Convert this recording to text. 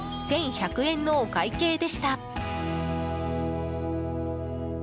１１００円のお会計でした。